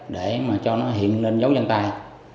để mà cho nó hiện lên dấu dân tay